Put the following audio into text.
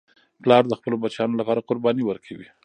پلار د خپلو بچیانو لپاره قرباني ورکوي.